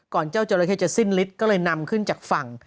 เจ้าจราเข้จะสิ้นฤทธิ์ก็เลยนำขึ้นจากฝั่ง